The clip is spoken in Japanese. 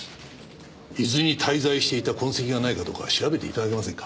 伊豆に滞在していた痕跡がないかどうか調べて頂けませんか？